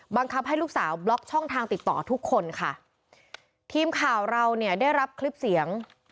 บังคับให้ลูกสาวบล็อกช่องทางติดต่อทุกคนค่ะทีมข่าวเราเนี่ยได้รับคลิปเสียง